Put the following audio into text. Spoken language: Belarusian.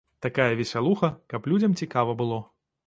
Такая весялуха, каб людзям цікава было.